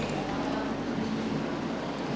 ya jujur gue gak tau gue harus ngapain lagi